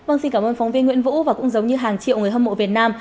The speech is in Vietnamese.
vâng xin cảm ơn phóng viên nguyễn vũ và cũng giống như hàng triệu người hâm mộ việt nam